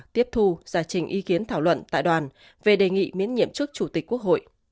tiếp thu giải trình ý kiến thảo luận tại đoàn về đề nghị miễn nhiệm chức chủ tịch quốc hội